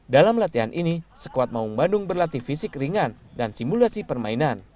dalam latihan ini sekuat maung bandung berlatih fisik ringan dan simulasi permainan